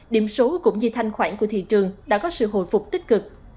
điểm số cũng như thanh khoản của thị trường đã có sự hồi phục tích cực